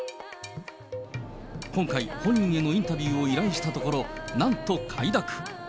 今回、本人へのインタビューを依頼したところ、なんと快諾。